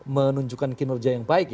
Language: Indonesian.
menunjukkan kinerja yang baik